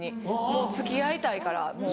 もう付き合いたいからもう。